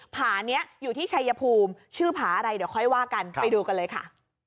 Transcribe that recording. ผานี้อยู่ที่ชัยภูมิชื่อผาอะไรเดี๋ยวค่อยว่ากันไปดูกันเลยค่ะ